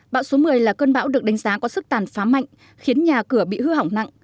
bão số một mươi là cơn bão được đánh giá có sức tàn phá mạnh khiến nhà cửa bị hư hỏng nặng